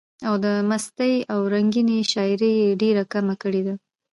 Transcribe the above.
او د مستۍ او رنګينۍ شاعري ئې ډېره کمه کړي ده،